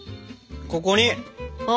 ここに！